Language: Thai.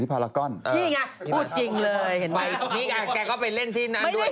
นี่ไงแกก็ไปเล่นที่นั้นด้วย